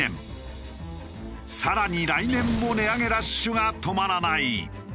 更に来年も値上げラッシュが止まらない。